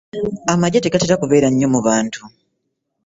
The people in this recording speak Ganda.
Amagye tegatera kubeera nnyo mu bantu.